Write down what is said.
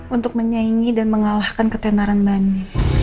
untuk menyaingi dan mengalahkan ketenaran bande